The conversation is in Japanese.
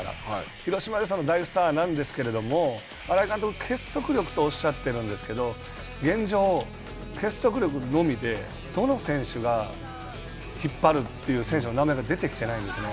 広島で大スターなんですけど新井監督、結束力とおっしゃっているんですけど、現状、結束力のみでどの選手が引っ張るという選手の名前が出てきてないんですね。